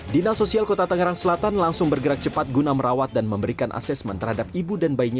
dinas sosial kota tangerang selatan langsung bergerak cepat guna merawat dan memberikan asesmen terhadap ibu dan bayinya